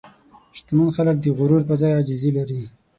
شتمن خلک د غرور پر ځای عاجزي لري.